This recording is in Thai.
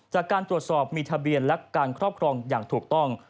จากการตรวจสอบมีทะเบียนและการครอบครองอย่างถูกต้อง